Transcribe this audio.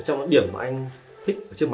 trong những điểm mà anh thích